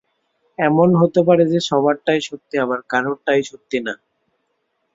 এমনও হতে পারে যে সবারটাই সত্যি আবার কারোরাটাই সত্যি না।